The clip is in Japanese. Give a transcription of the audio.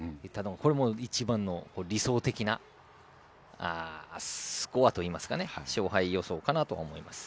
これもう一番の理想的なスコアといいますか勝敗予想かなと思います。